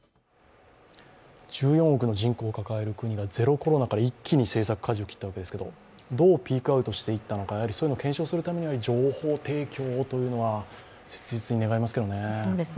１４億の人口を抱える国がゼロコロナから一気にかじを切ったわけですけど、どうピークアウトしていったのか検証するためには情報提供をというのが切実に願いますけどね。